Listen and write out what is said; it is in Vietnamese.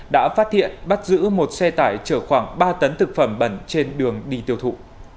đã phát hiện bắt giữ một xe tải chở khoảng ba tấn thực phẩm bẩn trên đường đi tiêu thụ